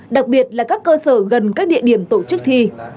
đặc biệt là các cơ sở gần các địa điểm tổ chức thi